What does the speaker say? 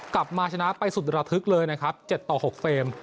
กลับมาชนะไปสุดระทึกเลยนะครับ๗ต่อ๖เฟรม